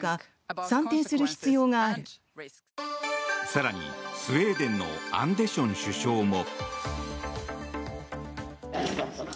更にスウェーデンのアンデション首相も。